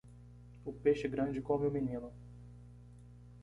O peixe grande come o menino.